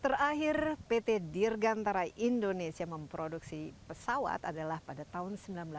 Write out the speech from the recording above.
terakhir pt dirgantara indonesia memproduksi pesawat adalah pada tahun seribu sembilan ratus sembilan puluh